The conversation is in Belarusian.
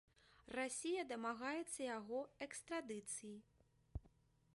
Расія дамагаецца яго экстрадыцыі.